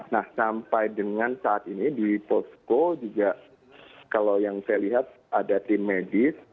nah sampai dengan saat ini di posko juga kalau yang saya lihat ada tim medis